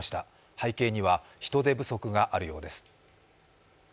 背景には人手不足があるようです。